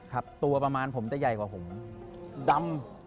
ตัวประมาณผมจะใหญ่กว่าผม